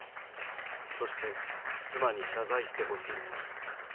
そして、妻に謝罪してほしい。